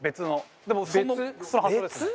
でもその発想ですね。